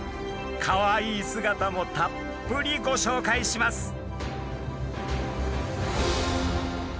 かわいい姿もたっぷりご紹介します。